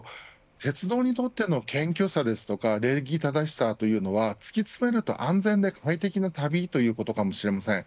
鉄道にとっての謙虚さですとか礼儀正しさというのは突き詰めると安全で快適な旅ということかもしれません。